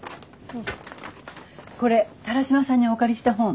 これ田良島さんにお借りした本。